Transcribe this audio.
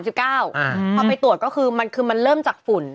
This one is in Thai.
พอไปตรวจก็คือมันเริ่มจากฝุ่น